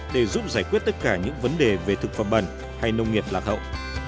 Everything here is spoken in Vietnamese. để giúp giải quyết tất cả những vấn đề về thực phẩm bẩn hay nông nghiệp lạc hậu